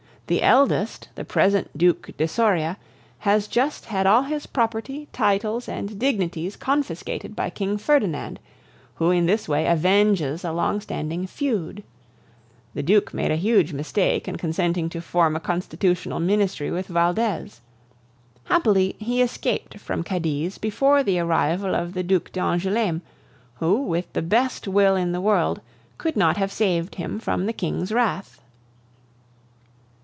The eldest, the present Duke de Soria, has just had all his property, titles, and dignities confiscated by King Ferdinand, who in this way avenges a long standing feud. The Duke made a huge mistake in consenting to form a constitutional ministry with Valdez. Happily, he escaped from Cadiz before the arrival of the Duc d'Angouleme, who, with the best will in the world, could not have saved him from the King's wrath."